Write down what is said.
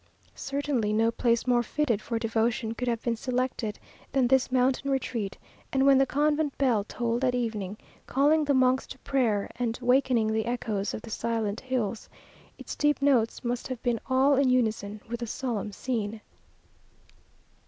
Certainly no place more fitted for devotion could have been selected than this mountain retreat; and when the convent bell tolled at evening, calling the monks to prayer, and wakening the echoes of the silent hills, its deep notes must have been all in unison with the solemn scene.